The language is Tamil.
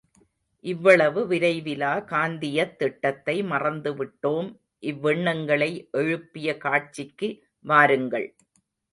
இவ்வளவு விரைவிலா காந்தியத் திட்டத்தை மறந்து விட்டோம் இவ்வெண்ணங்களை எழுப்பிய காட்சிக்கு வாருங்கள்.